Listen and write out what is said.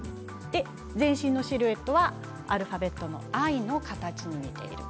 全身のシルエットはアルファベットのＩに似ている。